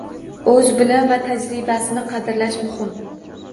Oʻz bilim va tajribasini qadrlash muhim.